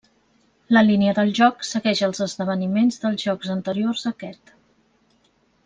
La línia del joc segueix els esdeveniments dels jocs anteriors a aquest.